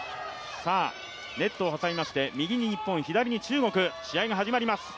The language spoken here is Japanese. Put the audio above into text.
ネットを挟みまして右に日本、左に中国試合が始まります。